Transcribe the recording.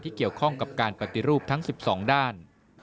เกี่ยวข้องกับการปฏิรูปทั้ง๑๒ด้าน